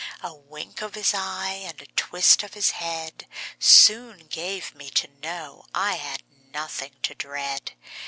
A wink of his eye, and a twist of his head, Soon gave me to know I had nothing to dread.